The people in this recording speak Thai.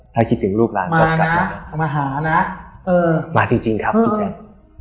ถ้าคิดถึงลูกร้านก็กลับมามาจริงครับพี่แจ๊ค